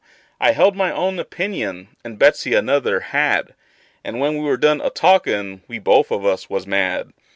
I held my own opinion, and Betsey another had; And when we were done a talkin', we both of us was mad.